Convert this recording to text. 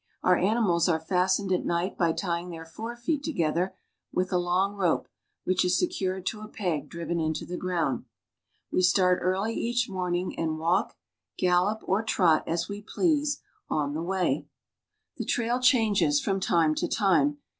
Our animals are fastened at night by tying their fore feet together with a long rope, which is secured to a peg driven into the ground. We start early each morn ing and walk, gallop, or trot, as we please, on the way. THROUGH INTERIOR MOROCCO 2 I The trail changes from time to time.